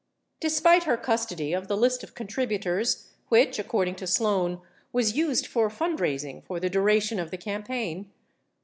Despite her custody of the list of contributors which, according to Sloan, Avas used for fundraising for the duration of the campaign.